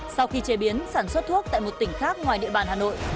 sau khi chế biến sản xuất thuốc tại một tỉnh khác ngoài địa bàn hà nội